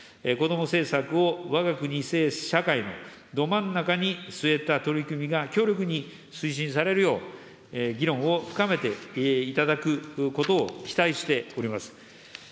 子ども政策をわが国社会のど真ん中に据えた取り組みが強力に推進されるよう、議論を深めていただくことを期待しております。